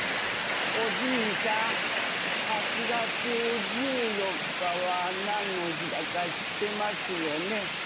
おじいさん８月１４日は何の日だか知ってますよね。